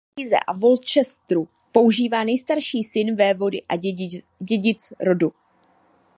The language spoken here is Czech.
Titul markýze z Worcesteru používá nejstarší syn vévody a dědic rodu.